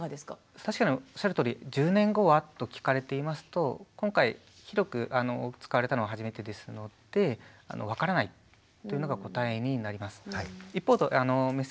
確かにおっしゃるとおり１０年後は？と聞かれますと今回広く使われたのは初めてですので分からないというのが答えになります。